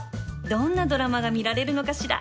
どんなドラマが見られるのかしら？